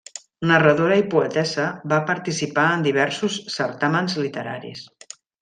Narradora i poetessa va participar en diversos certàmens literaris.